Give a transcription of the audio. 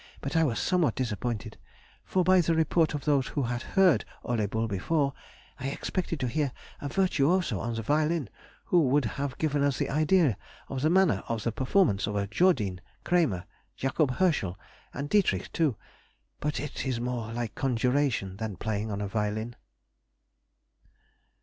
But I was somewhat disappointed, for, by the report of those who had heard Ole Bull before, I expected to hear a virtuoso on the violin who would have given us an idea of the manner of performance of a Jordine, Kramer, Jacob Herschel, and Dietrich too; but it is more like conjuration than playing on a violin.